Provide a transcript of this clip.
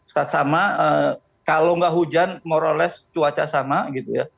start sama kalau nggak hujan more or less cuaca sama gitu ya